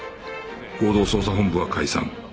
合同捜査本部は解散